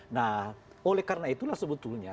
nah oleh karena itulah sebetulnya